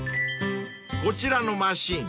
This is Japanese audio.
［こちらのマシン